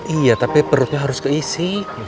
iya tapi perutnya harus keisi